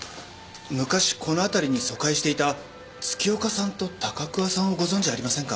昔この辺りに疎開していた月岡さんと高桑さんをご存じありませんか？